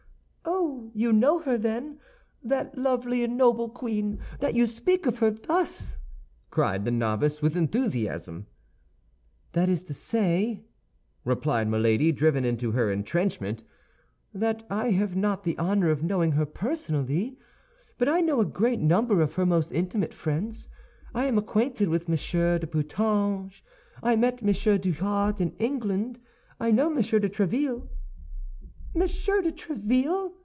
"Oh, you know her, then, that lovely and noble queen, that you speak of her thus!" cried the novice, with enthusiasm. "That is to say," replied Milady, driven into her entrenchment, "that I have not the honor of knowing her personally; but I know a great number of her most intimate friends. I am acquainted with Monsieur de Putange; I met Monsieur Dujart in England; I know Monsieur de Tréville." "Monsieur de Tréville!"